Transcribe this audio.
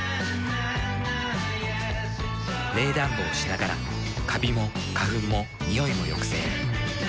冷暖房しながらカビも花粉もニオイも抑制。